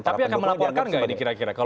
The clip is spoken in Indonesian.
tapi akan melaporkan tidak ya dikira kira